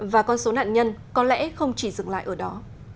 và con số nạn nhân có lẽ không chỉ dừng lại ở đó